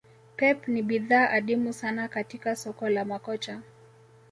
Pep ni bidhaa adimu sana katik soko la makocha